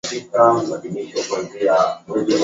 Lila na fila hazitangamani